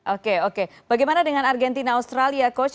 oke oke bagaimana dengan argentina australia coach